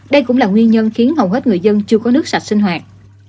đây cũng là nguyên nhân khiến hầu hết người dân chưa có nước sạch sinh hoạt